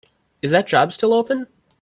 Is that job still open?